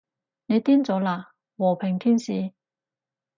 你癲咗喇，和平天使